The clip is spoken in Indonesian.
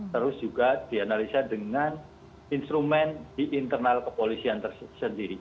terus juga dianalisa dengan instrumen di internal kepolisian sendiri